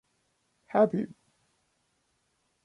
Happy.